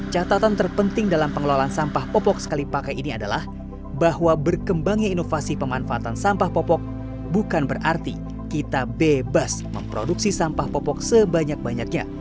catatan terpenting dalam pengelolaan sampah popok sekali pakai ini adalah bahwa berkembangnya inovasi pemanfaatan sampah popok bukan berarti kita bebas memproduksi sampah popok sebanyak banyaknya